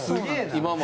今も？